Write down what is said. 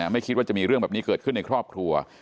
ไม่คิดว่าจะมีเรื่องแบบนี้เกิดขึ้นในครอบครัว